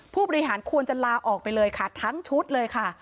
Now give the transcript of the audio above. ผู้บริหารควรจะลาออกไปเลยค่ะทั้งชุดเลยค่ะ